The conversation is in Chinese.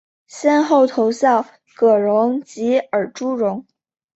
先后投效葛荣及尔朱荣。